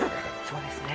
そうですね